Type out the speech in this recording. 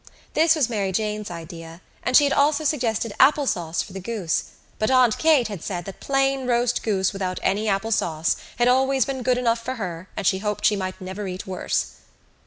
This was Mary Jane's idea and she had also suggested apple sauce for the goose but Aunt Kate had said that plain roast goose without any apple sauce had always been good enough for her and she hoped she might never eat worse.